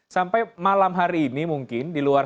sampai malam hari ini mungkin di luar